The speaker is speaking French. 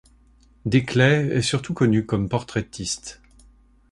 Des Clayes est surtout connue comme portraitiste.